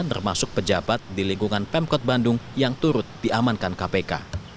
termasuk pejabat di lingkungan pemkot bandung yang turut diamankan kpk